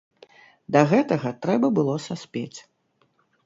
Да гэтага трэба было саспець.